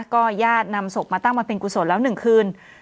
ก็ญาตินำศพมาตั้งมาเป็นกุศลแล้ว๑คืน